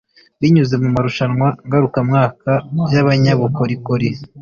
Binyuze mu marushanwa ngarukamwaka y’abanyabukorikori